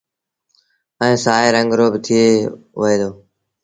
ائيٚݩ سآئي رنگ رو با هوئي دو۔